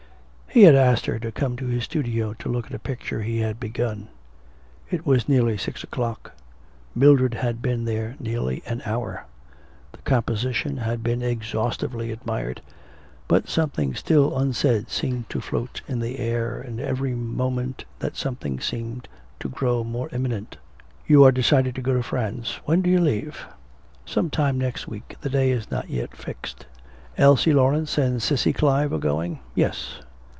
He had asked her to come to his studio to see a picture he had begun. It was nearly six o'clock; Mildred had been there nearly an hour; the composition had been exhaustively admired; but something still unsaid seemed to float in the air, and every moment that something seemed to grow more imminent. 'You are decided to go to France. When do you leave?' 'Some time next week. The day is not yet fixed.' 'Elsie Laurence and Cissy Clive are going?' 'Yes....